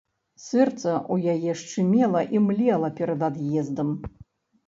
Сэрца ў яе шчымела і млела перад ад'ездам.